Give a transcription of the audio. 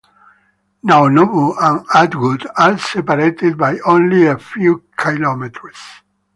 Naonobu and Atwood are separated by only a few kilometres.